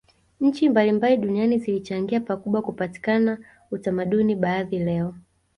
Nchi mbalimbali duniani zilichangia pakubwa kupatikana utamaduni baadhi leo